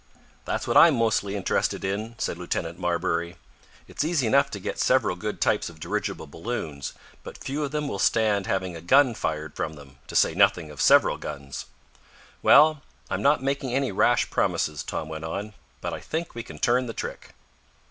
"That's what I'm mostly interested in," said Lieutenant Marbury. "It's easy enough to get several good types of dirigible balloons, but few of them will stand having a gun fired from them, to say nothing of several guns." "Well, I'm not making any rash promises," Tom went on, "but I think we can turn the trick."